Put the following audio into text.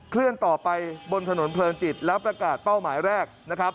เคลื่อนต่อไปบนถนนเพลินจิตแล้วประกาศเป้าหมายแรกนะครับ